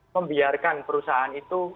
membiarkan perusahaan itu